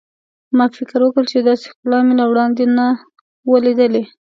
ما فکر وکړ چې داسې ښکلا مې له وړاندې نه وه لیدلې.